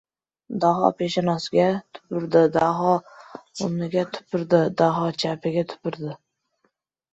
Daho peshonasiga tupurdi, Daho o‘ngiga tupurdi, Daho chapiga tupurdi!